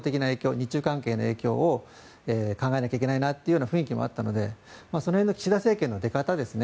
日中関係の影響を考えなきゃいけないって雰囲気もあったのでその辺の岸田政権の出方ですね。